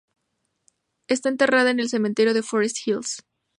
Está enterrada en el cementerio de Forest Hills.